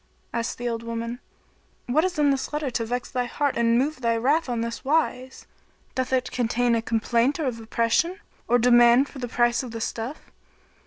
Asked the old woman, "What is in this letter to vex thy heart and move thy wrath on this wise? Doth it contain a complaint of oppression or demand for the price of the stuff?"